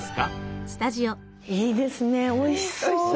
いいですねおいしそうで。